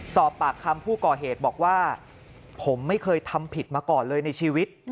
สอบปากคำผู้ก่อเหตุบอกว่าผมไม่เคยทำผิดมาก่อนเลยในชีวิต